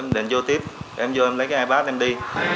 em lên vô tiếp em vô em lấy cái ipad em đi